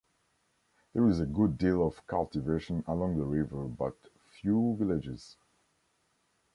There is a good deal of cultivation along the river, but few villages.